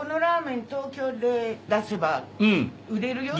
東京で出せば売れるよって。